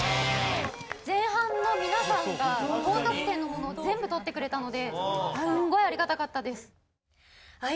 前半の皆さんが高得点のものを全部取ってくれたのですごいありがたかったです。